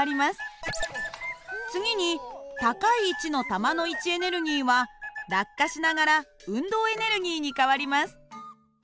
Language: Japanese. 次に高い位置の球の位置エネルギーは落下しながら運動エネルギーに変わります。